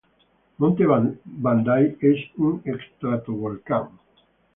Monte Bandai es un estratovolcán.